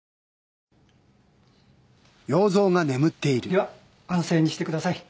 では安静にしてください。